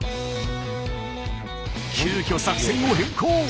急きょ作戦を変更。